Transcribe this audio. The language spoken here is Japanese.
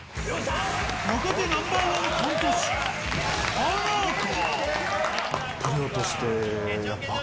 若手ナンバーワンコント師、ハナコ。